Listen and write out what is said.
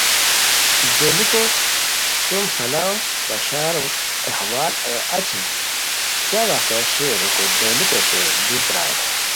دولوکو سُم سلام بشار احوالار اچی کیہ واقعہ شیر ریکو دولوکوتے لو پرائے